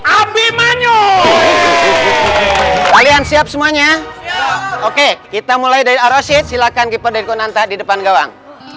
abimanyo kalian siap semuanya oke kita mulai dari arosid silakan diperdeku nanta di depan gawang